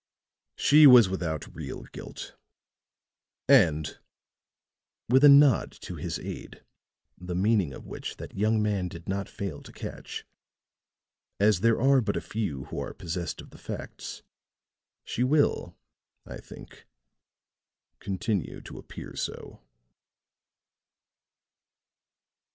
"She was without real guilt. And," with a nod to his aide, the meaning of which that young man did not fail to catch, "as there are but a few who are possessed of the facts she will, I think, continue to appear so."